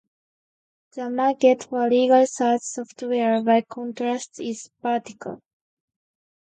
The market for "legal research software", by contrast, is "vertical".